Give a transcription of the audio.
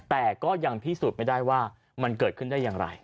แต่ก็ยังพิสูจน์ไม่ได้ว่ามันเกิดขึ้นได้อย่างไร